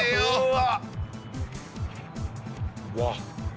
うわっ！